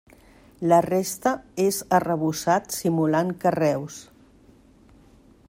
La resta és arrebossat simulant carreus.